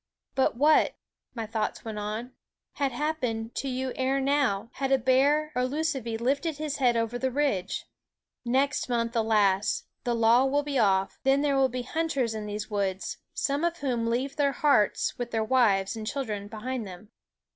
" But what," my thoughts went on, " had happened to you ere now, had a bear or lucivee lifted his head over the ridge ? Next month, alas ! the law will be off; then there will be hunters in these woods, some of whom leave their hearts, with their wives and children, behind them.